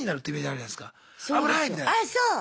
あっそう！